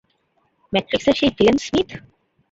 ম্যাট্রিক্সের সেই villain Smith?